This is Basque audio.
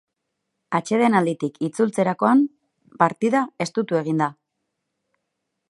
Atsedenalditik itzultzerakoan partida estutu egin da.